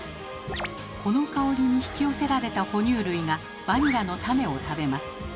この香りに引き寄せられた哺乳類がバニラの種を食べます。